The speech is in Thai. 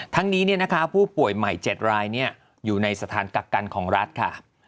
ทั้งนี้ผู้ป่วยใหม่๗รายอยู่ในสถานกักกันของรัฐค่ะ